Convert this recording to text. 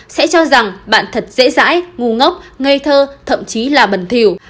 sẽ cho rằng bạn thật dễ dãi ngu ngốc ngây thơ thậm chí là bẩn thiểu